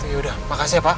yaudah makasih ya pak